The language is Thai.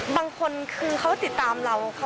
บางคนคือเขาติดตามเรา